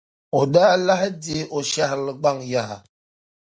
O daa lahi deei o shɛhirili gbaŋ yaha